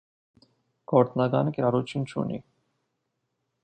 Գործնական կիրառություն չունի։